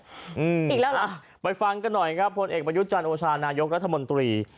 อีกแล้วล่ะไปฟังกันหน่อยครับพลเอกประยุทธ์จันทร์โอชานายกรัฐมนตรี